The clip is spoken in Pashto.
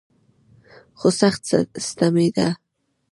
خو سخت ستمېده.